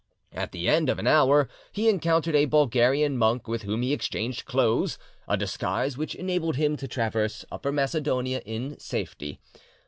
At the end of an hour he encountered a Bulgarian monk, with whom he exchanged clothes—a disguise which enabled him to traverse Upper Macedonia in safety.